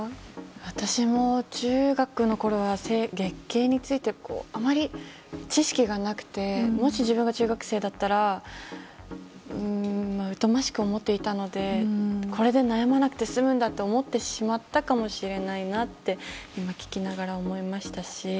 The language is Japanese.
私も中学のころは月経についてあまり知識がなくてもし自分が中学生だったら疎ましく思っていたのでこれで悩まなくて済むんだと思ってしまったかもしれないなと今、聞きながら思いましたし。